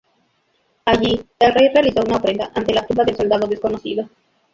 Allí, el rey realizó una ofrenda ante la tumba del soldado desconocido.